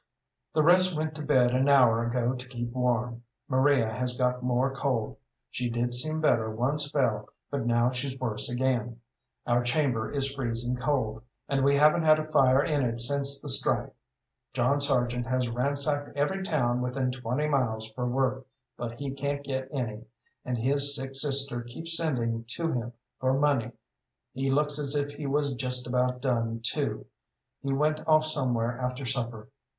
The rest went to bed an hour ago to keep warm. Maria has got more cold. She did seem better one spell, but now she's worse again. Our chamber is freezing cold, and we haven't had a fire in it since the strike. John Sargent has ransacked every town within twenty miles for work, but he can't get any, and his sick sister keeps sending to him for money. He looks as if he was just about done, too. He went off somewhere after supper.